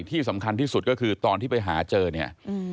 ที่สำคัญที่สุดก็คือตอนที่ไปหาเจอเนี่ย